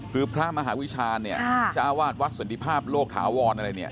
คือพระมหาวิชาเนี่ยชาวาสวรรษฎิภาพโลกถาวรอะไรเนี่ย